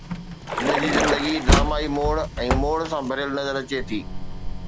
هن جي زندگي ڊرامائي موڙ ۽ موڙ سان ڀريل نظر اچي ٿي.